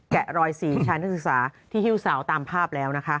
แกะรอยสี่ชายนักศึกษาที่ฮิ้วสาวตามภาพแล้ว